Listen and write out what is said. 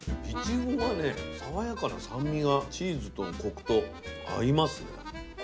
いちごがね爽やかな酸味がチーズとコクと合いますね。